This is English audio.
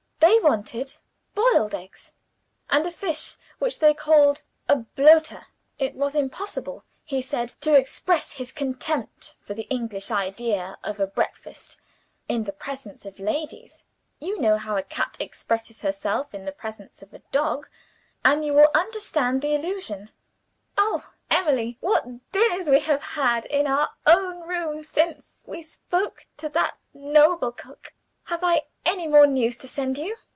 They wanted boiled eggs; and a fish which they called a Bloaterre. It was impossible, he said, to express his contempt for the English idea of a breakfast, in the presence of ladies. You know how a cat expresses herself in the presence of a dog and you will understand the allusion. Oh, Emily, what dinners we have had, in our own room, since we spoke to that noble cook! "Have I any more news to send you?